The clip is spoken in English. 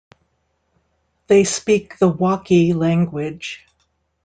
They speak the Wakhi language.